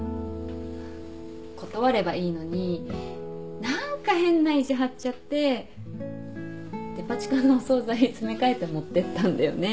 断ればいいのに何か変な意地張っちゃってデパ地下のお総菜詰め替えて持ってったんだよね。